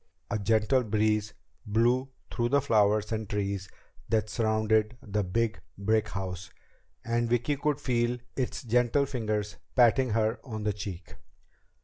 A gentle breeze blew through the flowers and trees that surrounded the big brick house, and Vicki could feel its gentle fingers patting her on the cheek.